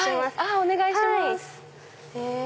お願いします。